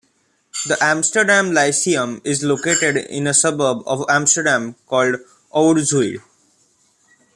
The Amsterdam lyceum is located in a suburb of Amsterdam called Oud-Zuid.